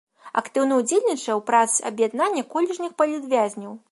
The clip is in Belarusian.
Актыўна ўдзельнічае ў працы аб'яднання колішніх палітвязняў.